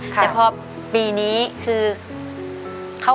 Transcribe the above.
แต่พอปีนี้คือ